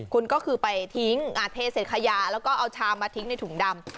คุณก็คือไปทิ้งอาจเทเศษขยะแล้วก็เอาชามมาทิ้งในถุงดำ